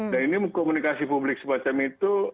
dan ini komunikasi publik semacam itu